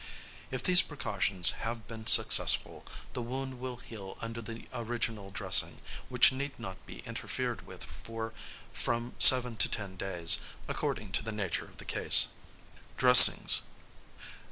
If these precautions have been successful, the wound will heal under the original dressing, which need not be interfered with for from seven to ten days, according to the nature of the case. #Dressings.